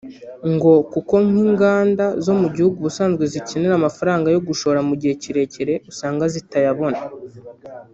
ngo kuko nk’inganda zo mu gihugu ubusanzwe zikenera amafaranga yo gushora mu gihe kirekire usanga zitayabona